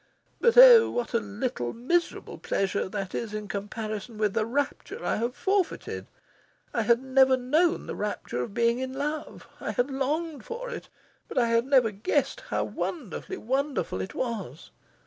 But oh, what a little miserable pleasure that is in comparison with the rapture I have forfeited! I had never known the rapture of being in love. I had longed for it, but I had never guessed how wonderfully wonderful it was.